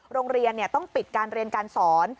โรงเรียนต้องปิดการเรียนการสอน